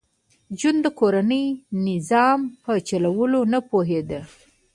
جون د کورني نظام په چلولو نه پوهېده